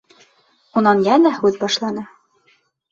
Унан йәнә һүҙ башланы: